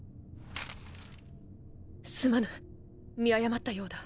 すまぬ見誤ったようだ。